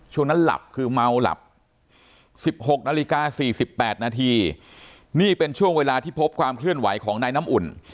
นั้นหลับคือเมาหลับ๑๖นาฬิกา๔๘นาทีนี่เป็นช่วงเวลาที่พบความเคลื่อนไหวของนายน้ำอุ่น